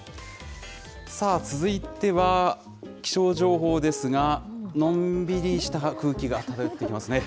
さあ、続いては、気象情報ですが、のんびりした空気が漂ってきますね。